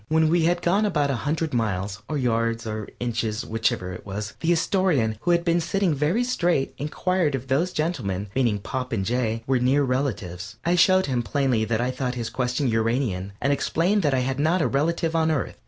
When we had gone about a hundred miles or yards, or inches, whichever it was the Astorian, who had been sitting very straight, inquired if those gentlemen meaning Pop and Jay were near relatives. I showed him plainly that I thought his question Uranian, and explained that I had not a relative on Earth.